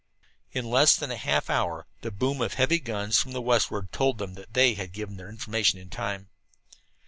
In less than half an hour the boom of heavy guns from the westward told them that they had given their information in time.